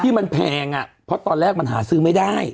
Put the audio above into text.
ที่มันแพงอ่ะเพราะตอนแรกมันหาซื้อไม่ได้